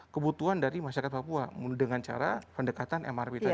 kebutuhan dari masyarakat papua dengan cara pendekatan mrp tadi